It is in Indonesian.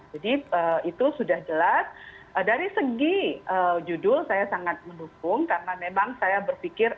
jadi itu sudah jelas dari segi judul saya sangat mendukung karena memang saya berpikir